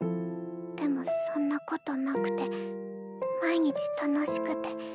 でもそんなことなくて毎日楽しくて。